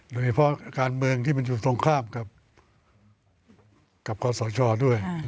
โดยเฉพาะการเมืองที่มันอยู่ตรงข้ามกับคอสชด้วย